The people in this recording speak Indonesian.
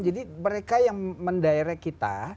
jadi mereka yang mendirect kita